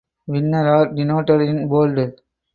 Winners are denoted in bold.